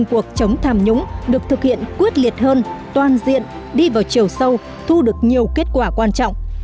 cuộc chống tham nhũng được thực hiện quyết liệt hơn toàn diện đi vào chiều sâu thu được nhiều kết quả quan trọng